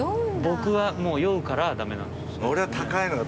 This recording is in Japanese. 僕は酔うからダメなんです。